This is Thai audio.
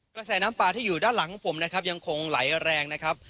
กระแสน้ำปลาที่อยู่ด้านหลังของผมนะครับยังคงไหลแรงนะครับ